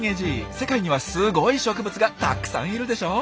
世界にはすごい植物がたっくさんいるでしょう？